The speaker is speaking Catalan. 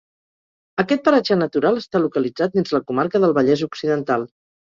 Aquest paratge natural està localitzat dins la comarca del Vallès Occidental.